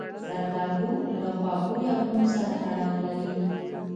زردالو له خواږو یادونو سره تړاو لري.